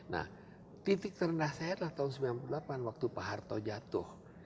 nah titik terendah saya adalah tahun sembilan puluh delapan waktu pak harto jatuh